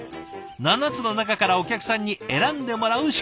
７つの中からお客さんに選んでもらう仕組み。